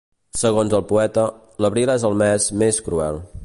Segons el poeta, l'abril és el mes més cruel